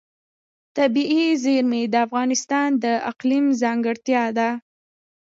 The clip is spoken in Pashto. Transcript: طبیعي زیرمې د افغانستان د اقلیم ځانګړتیا ده.